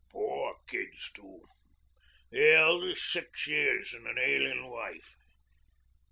Four kids too, the eldest six years, an' an ailin' wife.